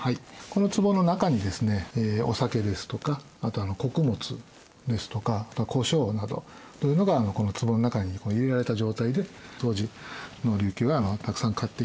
このつぼの中にですねお酒ですとかあとは穀物ですとか胡椒などというのがこのつぼの中に入れられた状態で当時の琉球はたくさん買ってきて沖縄に持って帰ってくる。